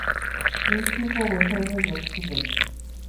Luychupa waśhanqa llampullam.